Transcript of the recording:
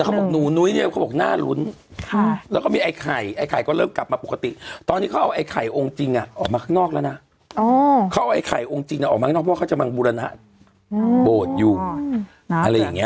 เขาบอกหนูนุ้ยเนี่ยเขาบอกน่ารุ้นแล้วก็มีไอ้ไข่ไอ้ไข่ก็เริ่มกลับมาปกติตอนนี้เขาเอาไอ้ไข่องค์จริงออกมาข้างนอกแล้วนะเขาเอาไอ้ไข่องค์จริงออกมาข้างนอกเพราะเขาจะมาบุรณะโบสถ์อยู่อะไรอย่างนี้